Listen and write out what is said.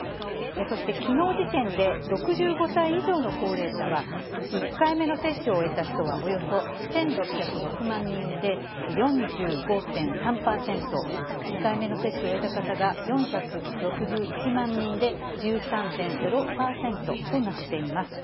そしてきのう時点で６５歳以上の高齢者は、１回目の接種を終えた人はおよそ１６０６万人で、４５．３％、２回目の接種を終えた方が４６１万人で、１３．０％となっています。